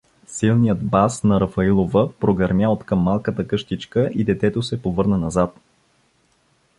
Силният бас на Рафаилова прогърмя откъм малката къщичка и детето се повърна назад.